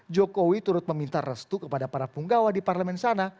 jokowi turut meminta restu kepada para punggawa di parlemen sana